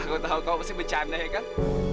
aku tahu kau pasti bercanda ya kan